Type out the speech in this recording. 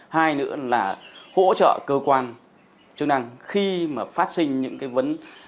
hai nữa là hỗ trợ cơ quan chức năng khi mà phát sinh những cái vấn